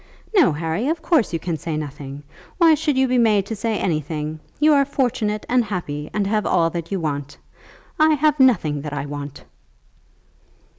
"No, Harry; of course you can say nothing. Why should you be made to say anything? You are fortunate and happy, and have all that you want. I have nothing that I want."